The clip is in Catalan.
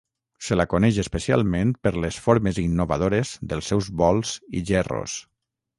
Se la coneix especialment per les formes innovadores dels seus bols i gerros.